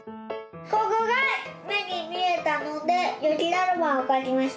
ここがめにみえたのでゆきだるまをかきました。